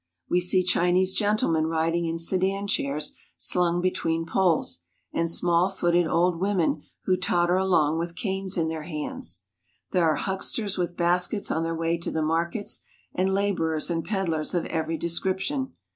We see Chinese gentlemen riding in sedan chairs slung between poles, and small footed old women who totter along with canes in their hands. There are hucksters with baskets on their way to the markets, and laborers and peddlers of every description.